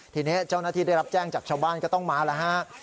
ทีนี้เจ้าหน้าที่ได้รับแจ้งจากชาวบ้านก็ต้องมาแล้วฮะ